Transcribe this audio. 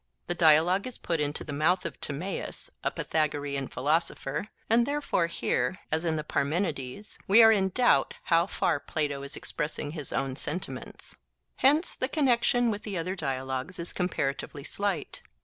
The dialogue is put into the mouth of Timaeus, a Pythagorean philosopher, and therefore here, as in the Parmenides, we are in doubt how far Plato is expressing his own sentiments. Hence the connexion with the other dialogues is comparatively slight.